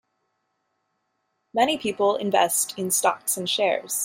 Many people invest in stocks and shares